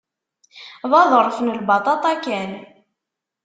D aḍref n lbaṭaṭa kan.